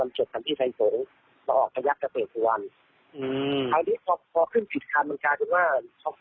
มันก็ต้องเหมาทุกอย่าง